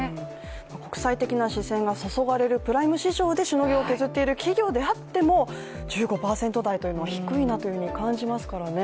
国際的な視線が注がれるプライム市場でしのぎを削る企業であっても１５％台というのは低いなというふうに感じますからね。